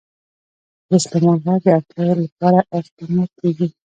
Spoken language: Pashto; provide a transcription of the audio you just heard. د سلیمان غر د اړتیاوو لپاره اقدامات کېږي.